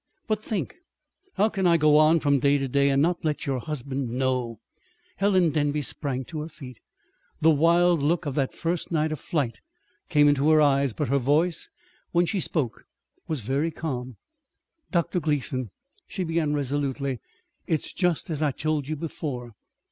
"But, think! How can I go on from day to day and not let your husband know " Helen Denby sprang to her feet. The wild look of that first night of flight came into her eyes, but her voice, when she spoke, was very calm. "Dr. Gleason," she began resolutely, "it's just as I told you before.